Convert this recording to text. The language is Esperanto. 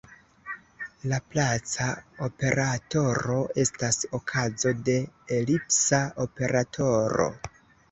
Laplaca operatoro estas okazo de elipsa operatoro.